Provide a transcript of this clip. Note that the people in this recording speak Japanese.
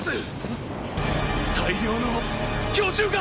大量の巨獣が！